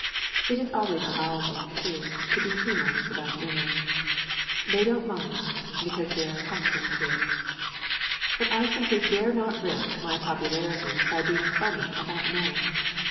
It is always allowable, too, to be humorous about women. They don't mind, because they are accustomed to it. But I simply dare not risk my popularity by being funny about men.